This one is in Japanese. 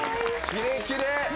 キレキレ！